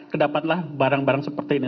kedapatlah barang barang seperti ini